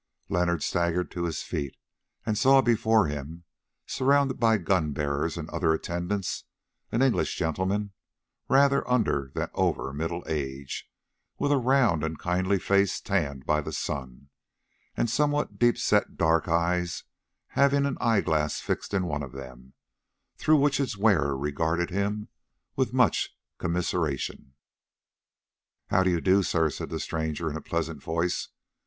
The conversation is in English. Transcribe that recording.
Leonard staggered to his feet and saw before him, surrounded by gun bearers and other attendants, an English gentleman, rather under than over middle age, with a round and kindly face tanned by the sun, and somewhat deep set dark eyes having an eyeglass fixed in one of them, through which its wearer regarded him with much commiseration. "How do you do, sir?" said the stranger in a pleasant voice.